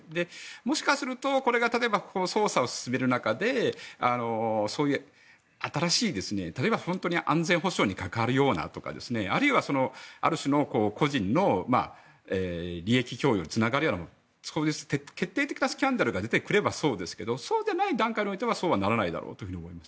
もしかすると、これが例えば捜査を進める中で新しい、例えば、本当に安全保障に関わるようなとかあるいは、ある種の個人の利益共有につながるような決定的なスキャンダルが出てくればそうですけどそうでない段階においてはそうならないだろうと思います。